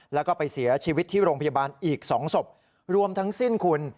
แล้วก็ไปเสียชีวิตที่โรงพยาบาลอีก๒ศพรวมทั้งสิ้นคุณ